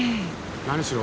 何しろ